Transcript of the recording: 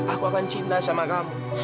aku akan cinta sama kamu